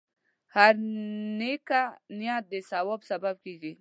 هره نیکه نیت د ثواب سبب کېږي.